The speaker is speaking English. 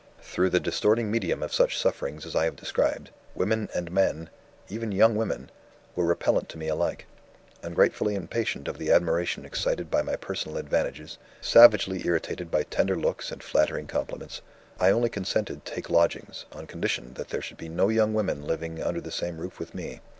Through the distorting medium of such sufferings as I have described, women and men even young women were repellent to me alike. Ungratefully impatient of the admiration excited by my personal advantages, savagely irritated by tender looks and flattering compliments, I only consented take lodgings, on condition that there should be no young women living under the same roof with me.